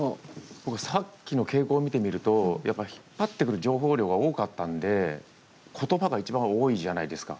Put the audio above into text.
僕さっきの傾向を見てみるとやっぱ引っ張ってくる情報量が多かったんで言葉が一番多いじゃないですか。